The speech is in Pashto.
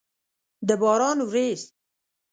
د باران ورېځ!